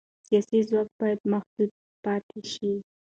سیاسي ځواک باید محدود پاتې شي